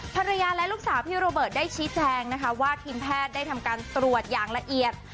ภรรยาและลูกสาวพี่โรเบิร์ตได้ชี้แจงนะคะว่าทีมแพทย์ได้ทำการตรวจอย่างละเอียด